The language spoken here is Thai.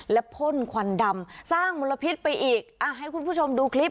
และพ่นควันดำสร้างมลพิษไปอีกอ่ะให้คุณผู้ชมดูคลิป